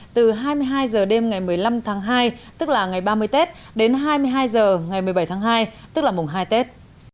từ hai mươi hai h đêm ngày một mươi năm tháng hai tức là ngày ba mươi tết đến hai mươi hai h ngày một mươi bảy tháng hai tức là mùng hai tết